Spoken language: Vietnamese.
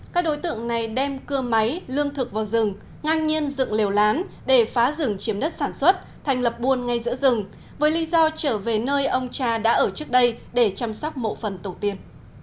các đối tượng này đem cưa máy lương thực vào rừng ngang nhiên dựng lều lán để phá rừng chiếm đất sản xuất thành lập buôn ngay giữa rừng với lý do trở về nơi ông cha đã ở trước đây để chăm sóc mộ phần tổ tiên